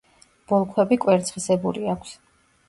ბოლქვები კვერცხისებური აქვს.